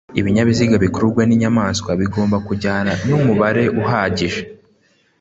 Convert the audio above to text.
lbinyabiziga bikururwa n inyamaswa bigomba kujyana n umubare uhagije